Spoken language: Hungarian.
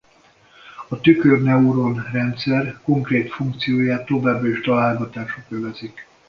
A tükörneuron-rendszer konkrét funkcióját továbbra is találgatások övezik.